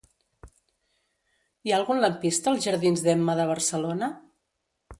Hi ha algun lampista als jardins d'Emma de Barcelona?